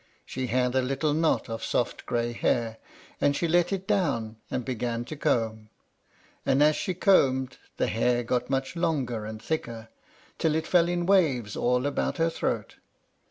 She had a little knot of soft, gray hair, and she let it down, and began to comb. And as she combed the hair got much longer and thicker, till it fell in waves all about her throat.